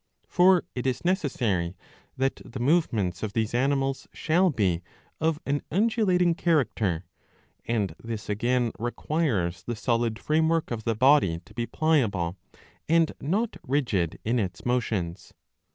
For it is necessary that the movements of these animals shall be of an undulating character ; and this again requires the solid framework of the body to be pliable, and not rigid in its motions.